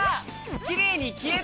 きれいにきえた！